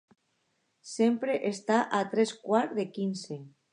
Sempre està a tres quarts de quinze.